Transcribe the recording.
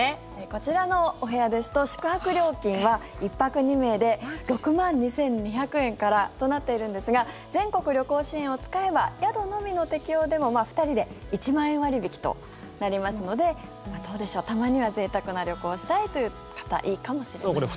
こちらのお部屋ですと宿泊料金は１泊２名で６万２２００円からとなっているんですが全国旅行支援を使えば宿のみの適用でも２人で１万円割引となりますのでどうでしょうたまにはぜいたくな旅行をしたいという方いいかもしれません。